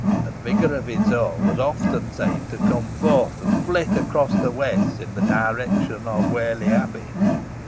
The figure of Isole was often seen to come forth, and flit across the wastes in the direction of Whalley Abbey.